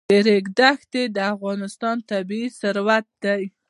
د ریګ دښتې د افغانستان طبعي ثروت دی.